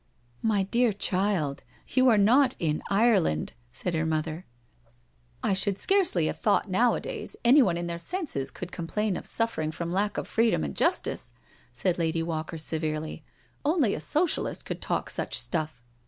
" My dear child, you are not in Ireland," said her mother. 44 NO SURRENDER " I should scarcely have thoughti nowadays, anyone in their senses could complain of suffering from lack of freedom and justice/' said Lady Walker severely; " only a Socialist could talk such stuff."